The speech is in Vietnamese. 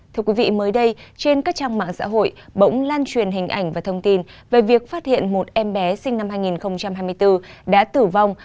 thưa quý vị mới đây trên các trang mạng xã hội bỗng lan truyền hình ảnh và thông tin về việc phát hiện một em bé sinh năm hai nghìn hai mươi bốn đã tử vong